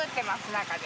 中で。